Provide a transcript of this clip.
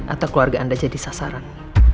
atau keluarga anda jadi sasaran